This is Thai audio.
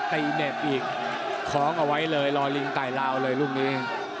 ตีเน็ตอีกของเอาไว้เลยรอลิงตายลาวเลยลุงนี้